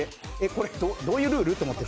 どういうルール？って思って。